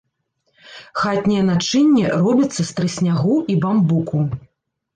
Хатняе начынне робіцца з трыснягу і бамбуку.